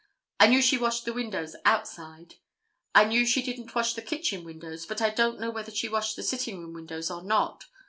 I knew she washed the windows outside. I knew she didn't wash the kitchen windows, but I don't know whether she washed the sitting room windows or not.